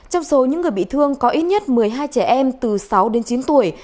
trong số những người bị thương có ít nhất một mươi hai trẻ em từ sáu đến chín tuổi